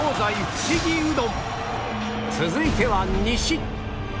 続いては西